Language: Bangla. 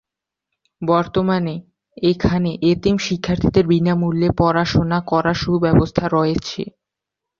বর্তমানে এখানে এতিম শিক্ষার্থীদের বিনামূল্যে পড়াশোনা করার সু-ব্যবস্থা রয়েছে।